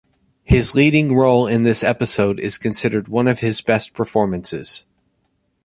His leading role in this episode is considered one of his best performances.